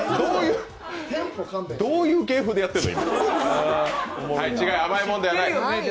どういう芸風でやってんの！